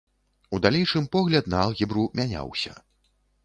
У далейшым погляд на алгебру мяняўся.